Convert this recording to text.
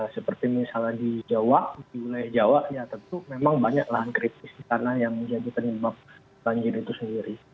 seperti misalnya di jawa di wilayah jawa ya tentu memang banyak lahan kritis di sana yang menjadi penyebab banjir itu sendiri